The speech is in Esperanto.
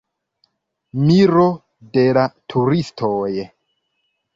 Miro de la turistoj.